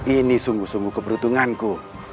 ini sungguh sungguh keberuntunganku